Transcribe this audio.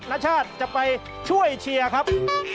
ณชาติจะไปช่วยเชียร์ครับ